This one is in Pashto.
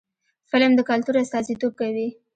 فلم د کلتور استازیتوب کوي